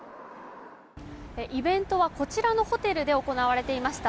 イベントはこちらのホテルで行われていました。